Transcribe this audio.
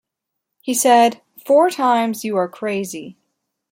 He said: Four times, you are crazy.